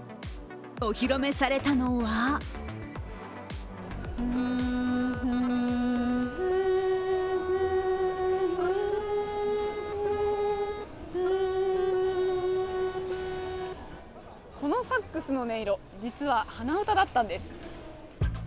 お披露目されたのはこのサックスの音色、実は鼻歌だったんです。